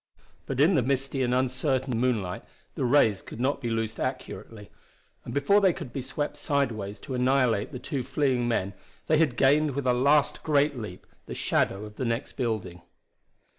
But in the misty and uncertain moonlight the rays could not be loosed accurately, and before they could be swept sidewise to annihilate the two fleeing men they had gained, with a last great leap, the shadow of the next building.